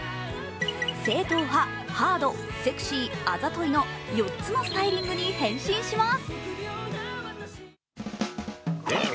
正統派、ハード、セクシー、あざといの４つのスタイリングに変身します。